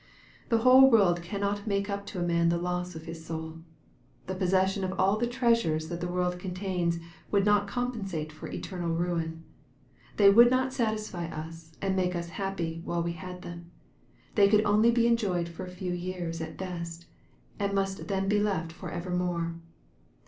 The whole world cannot make up to a man the loss of his soul. The possession of all the treasures that the world contains, would not compensate for eternal ruin. They would not satisfy us, and make us happy while we had them. They could only be enjoyed for a few years, at best, and must then be left for evermore.